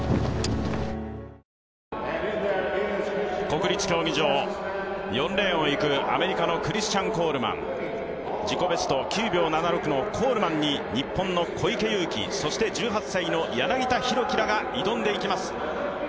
国立競技場、４レーンをいくアメリカのクリスチャン・コールマン、自己ベスト９秒７６のコールマンに日本の小池祐貴そして１８歳の柳田大輝らが挑んでいきます。